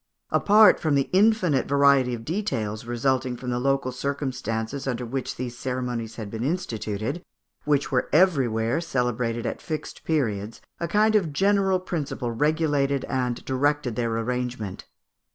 Apart from the infinite variety of details resulting from the local circumstances under which these ceremonies had been instituted, which were everywhere celebrated at fixed periods, a kind of general principle regulated and directed their arrangement.